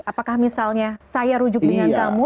apakah misalnya saya rujuk dengan kamu